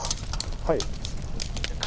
はい。